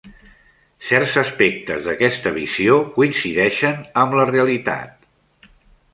Certs aspectes d'aquesta visió coincideixen amb la realitat.